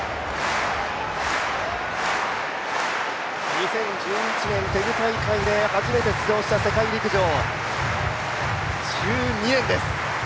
２０１１年テグ大会で初めて出場した世界陸上、１２年です。